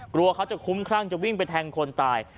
กลัวเขาจะคุ้มครั่งจะวิ่งไปแทงคนตาย